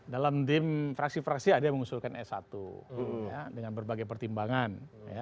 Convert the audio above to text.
dalam dim fraksi fraksi ada yang mengusulkan s satu dengan berbagai pertimbangan